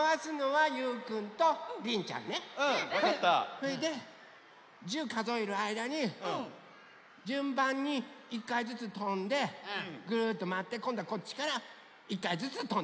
それで１０かぞえるあいだにじゅんばんに１かいずつとんでぐるっとまわってこんどはこっちから１かいずつとんでいく。